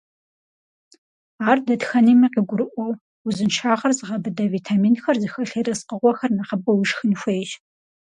Ар дэтхэнэми къыгурыӏуэу, узыншагъэр зыгъэбыдэ витаминхэр зыхэлъ ерыскъыгъуэхэр нэхъыбэу ишхын хуейщ.